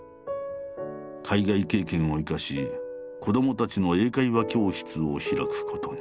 海外経験を生かし子どもたちの英会話教室を開くことに。